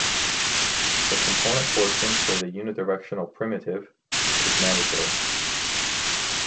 The component portion for the unidirectional primitive is mandatory.